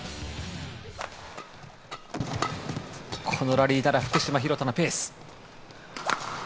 このラリーは福島・廣田のペース。